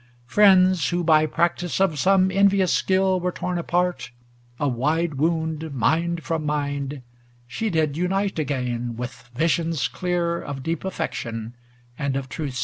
Friends who, by practice of some envious skill, Were torn apart ŌĆö a wide wound, mind from mind ŌĆö She did unite again with visions clear Of deep affection and of truth sincere.